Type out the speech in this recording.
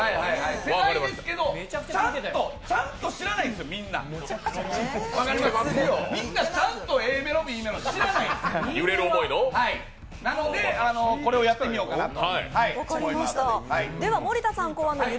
世代ですけど、ちゃんと知らないんですよ、みんなみんなちゃんとＡメロ、Ｂメロ知らないので、これをやってみようかなと。